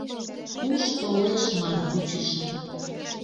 Пуш толеш ман вучышым —